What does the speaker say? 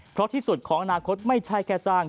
เพราะที่สุดของอนาคตไม่ใช่แค่สร้าง